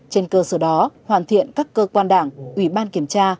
trên cơ sở đó hoàn thiện các cơ quan đảng ủy ban kiểm tra